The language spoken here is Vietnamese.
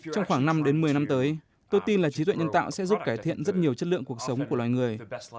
trong khoảng năm đến một mươi năm tới tôi tin là trí tuệ nhân tạo sẽ giúp cải thiện rất nhiều chất lượng cuộc sống của loài người